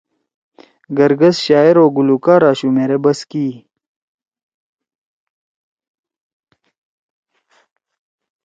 گرگس شاعر او گلوکار اشُو مھیرے بس کی ئی۔